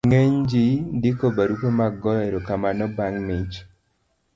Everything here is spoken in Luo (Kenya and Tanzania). ng'eny ji ndiko barupe mag goyo erokamano bang' mich